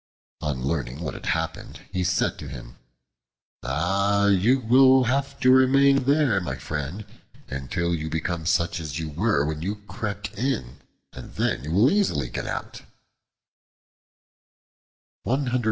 On learning what had happened, he said to him, "Ah, you will have to remain there, my friend, until you become such as you were when you crept in, and then you will easily get out."